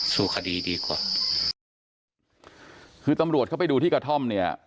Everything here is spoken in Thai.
สู่คดีดีกว่าคือตำรวจเข้าไปดูที่กระท่อมเนี่ย